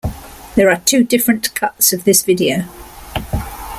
There are two different cuts of this video.